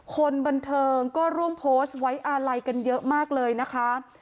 คนบันเทิงก็ร่วมโพสต์ไว้อาลัยกันเยอะมากเลยนะคะ